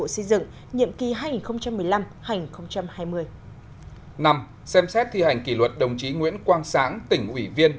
xem xét thi hành kỷ luật đồng chí nguyễn quang sáng tỉnh ủy viên